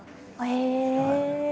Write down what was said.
へえ！